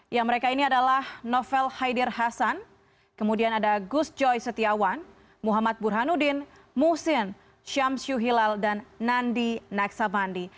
ya mereka ini adalah novel haidir hasan kemudian ada gus joy setiawan muhammad burhanuddin muhsin syamsyu hilal dan nandi naksabandi